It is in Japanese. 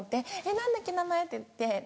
「何だっけ名前」って言って。